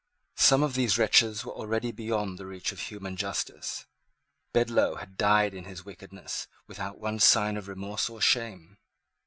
Some of these wretches were already beyond the reach of human justice. Bedloe had died in his wickedness, without one sign of remorse or shame.